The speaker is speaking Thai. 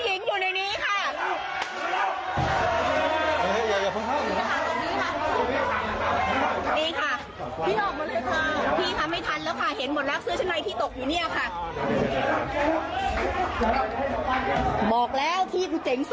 ถ้านึกคำกรยาว่าเปิดโปรงไม่ออกให้ดูข่าวนี้